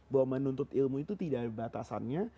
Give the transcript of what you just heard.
bahwa menuntut ilmu itu tidak ada batasannya